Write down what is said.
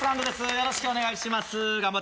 よろしくお願いします。